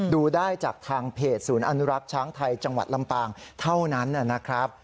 ดูได้จากทางเพจศูนย์อนุรักษ์ช้างไทยจังหวัดลำปางเท่านั้นนะครับ